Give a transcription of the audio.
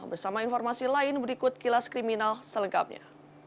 bersama informasi lain berikut kilas kriminal selengkapnya